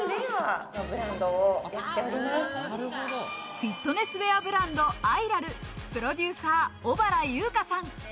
フィットネスウェアブランド、ＩＲＡＬプロデューサー・小原優花さん。